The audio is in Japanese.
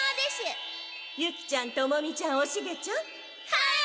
はい？